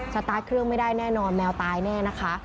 สตาร์ทเครื่องไม่ได้แน่นอนแมวตายแน่นะคะ